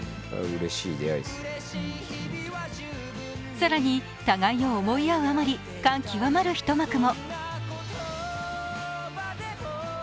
更に、互いを思い合うあまり感極まる一こまも。